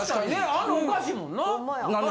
あるのおかしいもんな。